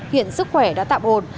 hiện sức khỏe đã tạm ồn